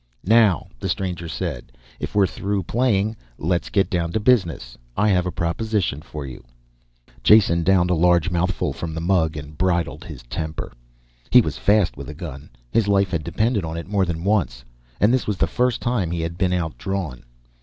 "Now," the stranger said, "if we're through playing, let's get down to business. I have a proposition for you." Jason downed a large mouthful from the mug and bridled his temper. He was fast with a gun his life had depended on it more than once and this was the first time he had been outdrawn.